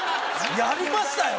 やりましたよ！